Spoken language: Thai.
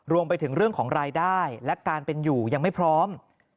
รวมไปถึงเรื่องของรายได้และการเป็นอยู่ยังไม่พร้อม